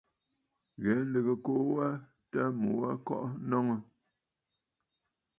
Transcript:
Ghɛ̀ɛ nlɨgə ɨkuu wa tâ mu wa kɔʼɔ nɔŋə.